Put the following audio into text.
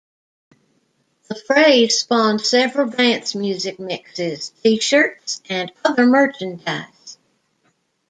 The phrase spawned several dance music mixes, T-shirts, and other merchandise.